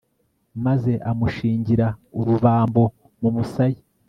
maze amushingira urubambo mu musaya